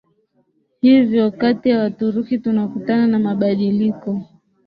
hivyo kati ya Waturuki tunakutana na mabadiliko